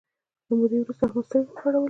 له مودې وروسته احمد سترګې وغړولې.